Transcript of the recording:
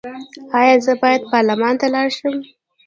ایا زه باید پارلمان ته لاړ شم؟